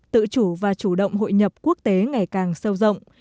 tự chủ và chủ động hội nhập quốc tế ngày càng sâu rộng